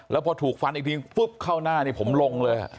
แล้วพอถูกฟันอีกทีปุ๊บเข้าหน้านี่ผมลงเลย